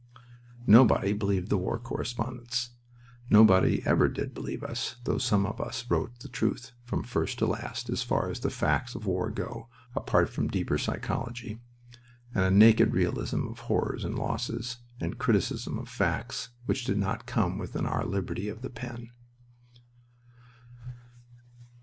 Nobody believed the war correspondents. Nobody ever did believe us, though some of us wrote the truth from first to last as far as the facts of war go apart from deeper psychology, and a naked realism of horrors and losses, and criticism of facts, which did not come within our liberty of the pen.